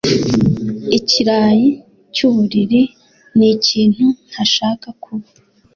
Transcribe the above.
Ikirayi cyuburiri nikintu ntashaka kuba.